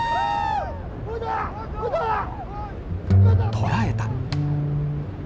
捕らえた！